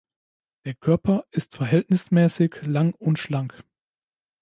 Der Körper ist verhältnismäßig lang und schlank.